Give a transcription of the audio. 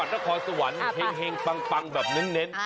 นครสวรรค์เฮงปังแบบเน้น